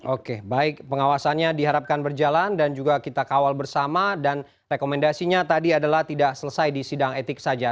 oke baik pengawasannya diharapkan berjalan dan juga kita kawal bersama dan rekomendasinya tadi adalah tidak selesai di sidang etik saja